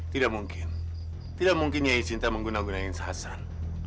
tidak mungkin tidak mungkin nyai sinta mengguna gunain se hasan